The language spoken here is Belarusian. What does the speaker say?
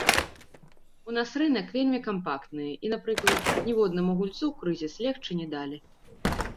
У нас рынак вельмі кампактны, і, напрыклад, ніводнаму гульцу ў крызіс легчы не далі.